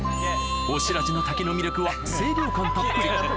おしらじの滝の魅力は清涼感